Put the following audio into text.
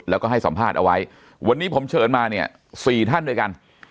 แล้วก็ให้สัมภาษณ์เอาไว้วันนี้ผมเชิญมาเนี่ย๔ท่านด้วยกัน